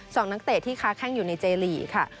นักเตะที่ค้าแข้งอยู่ในเจลีกค่ะ